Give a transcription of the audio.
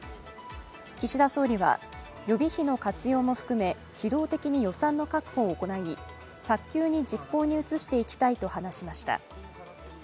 岸田総理は予備費の活用も含め機動的に予算の確保を行い、早急に実行に移していきたいと話しました。